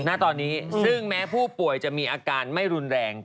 ณตอนนี้ซึ่งแม้ผู้ป่วยจะมีอาการไม่รุนแรง